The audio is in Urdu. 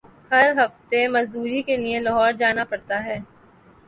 ہر ہفتے مزدوری کیلئے لاہور جانا پڑتا ہے۔